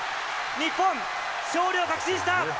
日本、勝利を確信した。